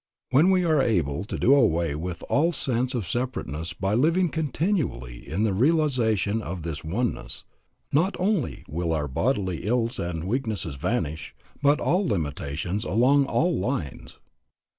When we are able to do away with all sense of separateness by living continually in the realization of this oneness, not only will our bodily ills and weaknesses vanish, but all limitations along all lines.